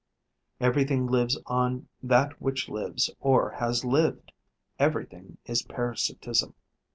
Everything lives on that which lives or has lived; everything is parasitism.